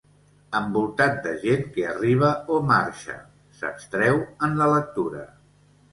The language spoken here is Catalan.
Envoltat de gent que arriba o marxa, s'abstreu en la lectura.